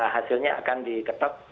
hasilnya akan diketok